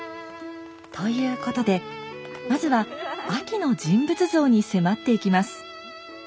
ということでまずはあきの人物像に迫っていきます。